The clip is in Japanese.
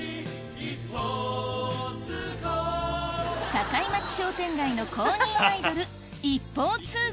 堺町商店街の公認アイドル「一方通行」